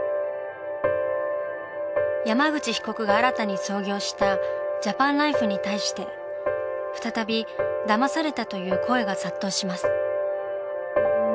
山口被告が新たに創業したジャパンライフに対して再びだまされたという声が殺到します。